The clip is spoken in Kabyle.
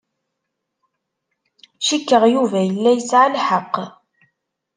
Cikkeɣ Yuba yella yesɛa lḥeqq.